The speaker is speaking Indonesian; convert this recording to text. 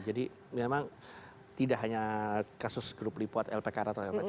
jadi memang tidak hanya kasus grup lipat lpk dan lainnya